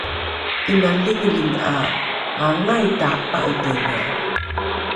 ’ina lingilingi ’a aangai tapa’atedhe?